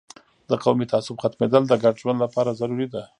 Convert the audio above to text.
د قومي تعصب ختمیدل د ګډ ژوند لپاره ضروري ده.